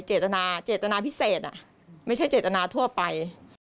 เจตนาเจตนาพิเศษไม่ใช่เจตนาทั่วไป